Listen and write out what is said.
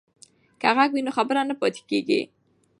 که غږ وي نو خبر نه پاتیږي.